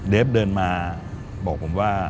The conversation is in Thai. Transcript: ฟเดินมาบอกผมว่า